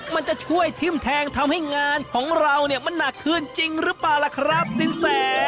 มันจะช่วยทิ้มแทงทำให้งานของเราเนี่ยมันหนักขึ้นจริงหรือเปล่าล่ะครับสินแส